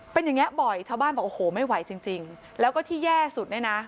เป็นอย่างเงี้บ่อยชาวบ้านบอกโอ้โหไม่ไหวจริงจริงแล้วก็ที่แย่สุดเนี่ยนะ